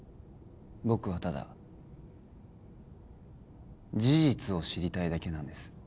僕はただ事実を知りたいだけなんです